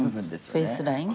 フェースライン。